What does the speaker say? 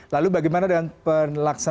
lalu bagaimana dengan penelaksanaan